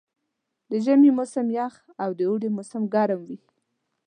د ژمي موسم یخ او د اوړي موسم ګرم وي.